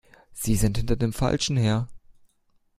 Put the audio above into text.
Sie sind hinter dem Falschen her!